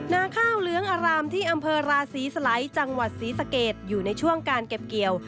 นาข้าวเหลืองอารามที่อำเภอราศีสลัยจังหวัดศรีสะเกดอยู่ในช่วงการเก็บเกี่ยว